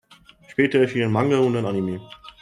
Später erschien ein Manga und ein Anime.